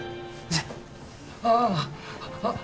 じゃああっ